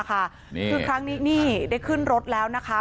คือครั้งนี้นี่ได้ขึ้นรถแล้วนะคะ